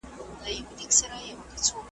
استوایي کب 🐠